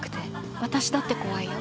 私だって怖いよ。